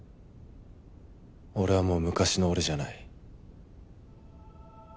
俺はもう昔の俺じゃない。